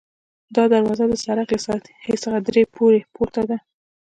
دا دروازه د سړک له سطحې څخه درې پوړۍ پورته ده.